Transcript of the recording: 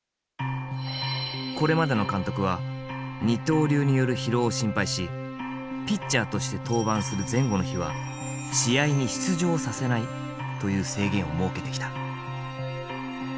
これまでの監督は二刀流による疲労を心配しピッチャーとして登板する前後の日は試合に出場させないという制限を設けてきた。